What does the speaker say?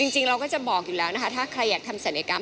จริงเราก็จะบอกอยู่แล้วนะคะถ้าใครอยากทำศัลยกรรม